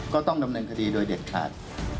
ก็ต้องดำเนินคดีโดยเด็ดขาด